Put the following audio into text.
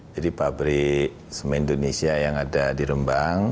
jadi pabrik semen indonesia yang ada di rembang